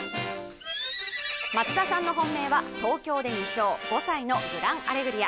松田さんの本命は東京で２勝５歳のグランアレグリア。